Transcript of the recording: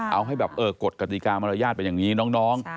เอาให้แบบเออกฎกติกามารยาทเป็นอย่างนี้น้อง